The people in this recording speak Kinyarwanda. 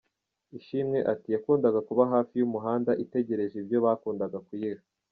Ishimwe ati “Yakundaga kuba hafi y’umuhanda itegereje ibyo bakundaga kuyiha.